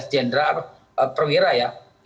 itu kan hampir setengahnya sudah mengambil